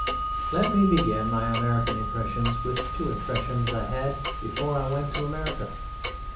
Let me begin my American impressions with two impressions I had before I went to America.